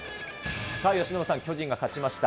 さあ、由伸さん、巨人が勝ちました。